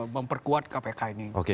memperkuat kpk ini